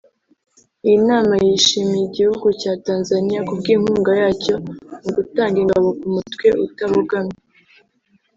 Iyi nama yashimiye igihugu cya Tanzaniya kubw’inkunga yacyo mu gutanga ingabo ku mutwe utabogamye